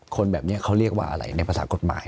คนแบบนี้เขาเรียกว่าอะไรในภาษากฎหมาย